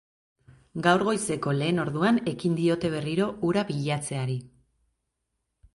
Gaur goizeko lehen orduan ekin diote berriro hura bilatzeari.